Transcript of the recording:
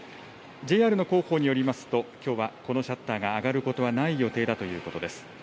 ＪＲの広報によりますと、きょうはこのシャッターが上がることはない予定だということです。